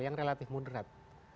yang relatif mudrat